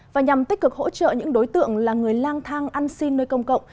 và nhằm tích cực hỗ trợ những đối tượng là người lang thang ăn xin nơi công cộng